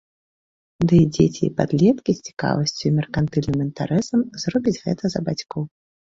Дый дзеці і падлеткі з цікавасцю і меркантыльным інтарэсам зробяць гэта за бацькоў.